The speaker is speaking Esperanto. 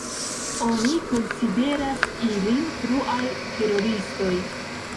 Oni konsideras ilin fruaj teroristoj.